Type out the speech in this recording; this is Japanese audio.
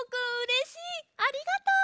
ありがとう！